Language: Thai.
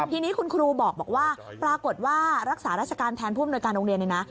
ทีนี้คุณครูบอกว่าปรากฏว่ารักษาราชการแทนผู้อำนวยการโรงเรียนเนี่ยนะ